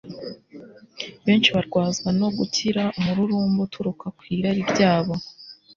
Benshi barwazwa no kugira umururumba uturuka ku irari ryabo …